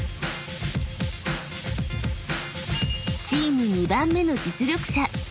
［チーム２番目の実力者